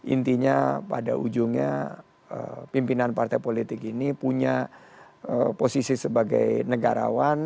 intinya pada ujungnya pimpinan partai politik ini punya posisi sebagai negarawan